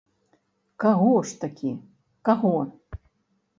Каго ж такі, каго?